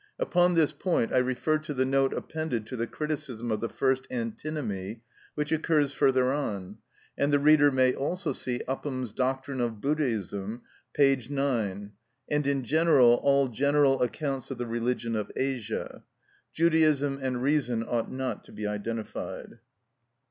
Upon this point, I refer to the note appended to the criticism of the first antinomy, which occurs further on; and the reader may also see Upham's "Doctrine of Buddhaism" (p. 9), and in general all genuine accounts of the religions of Asia. Judaism and reason ought not to be identified.